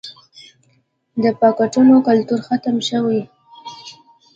د پاټکونو کلتور ختم شوی